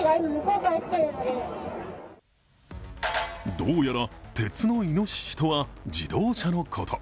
どうやら、鉄のイノシシとは自動車のこと。